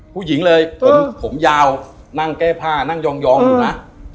ผู้หญิงเลยผมยาวนั่งแก้ผ้านั่งยองอยู่นะ